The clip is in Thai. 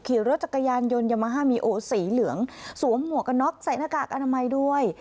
ขี่รถจักรยานยนต์ยามาฮามีโอสีเหลืองสวมหมวกกันน็อกใส่หน้ากากอนามัยด้วย